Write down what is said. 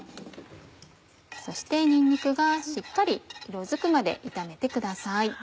そしてにんにくがしっかり色づくまで炒めてください。